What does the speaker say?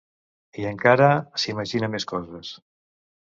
I encara s'imagina més coses.